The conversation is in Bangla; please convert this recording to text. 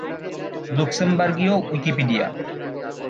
লুক্সেমবার্গীয় উইকিপিডিয়া